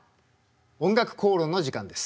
「おんがくこうろん」の時間です。